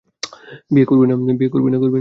বিয়ে করবি না করবি না?